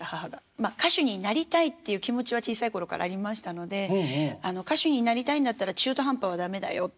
まあ歌手になりたいっていう気持ちは小さい頃からありましたので「歌手になりたいんだったら中途半端は駄目だよ」って。